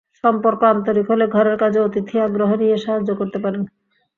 সম্পর্ক আন্তরিক হলে ঘরের কাজে অতিথি আগ্রহ নিয়ে সাহায্য করতে পারেন।